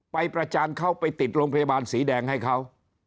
ประจานเขาไปติดโรงพยาบาลสีแดงให้เขา